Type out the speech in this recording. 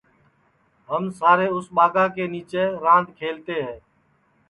ہم سارے اُس ٻاگا کے نیچے راند کھلتے ہے